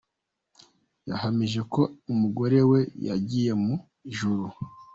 Yahamije ko umugore we yagiye mu ijuru.